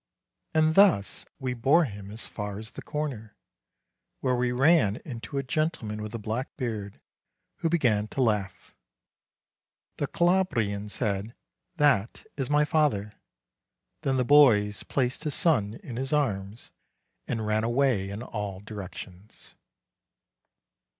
And thus we bore him as far as the corner, where we ran into a gentleman with a black beard, who began to laugh. The Calabrian said, "That is my father." Then the boys placed his son in his arms and ran away in all directions.